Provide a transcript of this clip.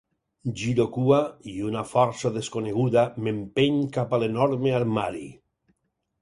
Giro cua i una força desconeguda m'empeny cap a l'enorme armari.